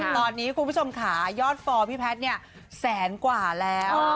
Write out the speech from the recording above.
ตอนนี้คุณผู้ชมค่ะยอดฟอร์พี่แพทย์เนี่ยแสนกว่าแล้ว